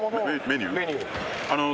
メニュー。